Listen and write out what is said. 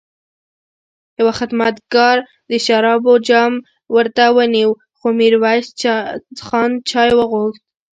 يوه خدمتګار د شرابو جام ورته ونيو، خو ميرويس خان چای وغوښت.